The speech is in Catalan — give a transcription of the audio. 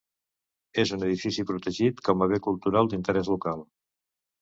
És un edifici protegit com a bé cultural d'interès local.